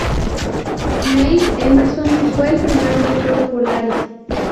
Neil Emerson fue el primer Doctor Polaris.